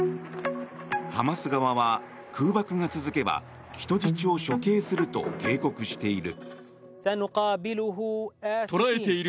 ハマス側は空爆が続けば人質を処刑すると警告している。